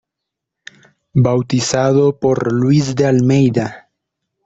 Bautizado por Luis de Almeida.